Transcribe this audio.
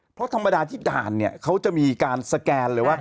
เพราะธรรมดาที่ด่านเนี่ยเขาจะมีการสแกนเลยว่า